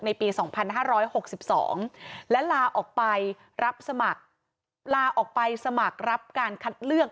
ในปี๒๕๖๒และลาออกไปสมัครรับการคัดเลือก